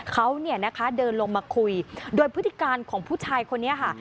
เขาเดินลงมาคุยโดยพฤติการของผู้ชายคนนี้ค่ะ